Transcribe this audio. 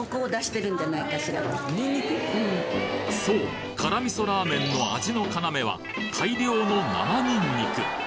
そうからみそラーメンの味の要は大量の生ニンニク